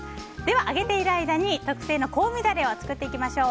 揚げている間に特製の香味ダレを作っていきます。